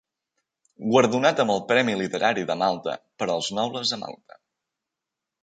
Guardonat amb el Premi literari de Malta per "Els nobles de Malta".